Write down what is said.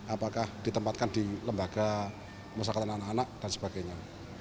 apakah ditempatkan di lembaga pemusakatan anak anak dan sebagainya